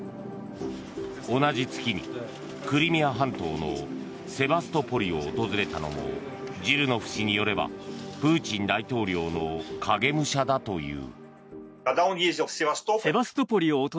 同じ月にクリミア半島のセバストポリを訪れたのもジルノフ氏によればプーチン大統領の影武者だという。